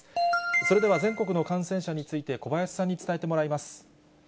それでは全国の感染者について、小林さんに伝えてもらいます。